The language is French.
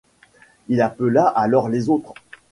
Il appela alors les autres.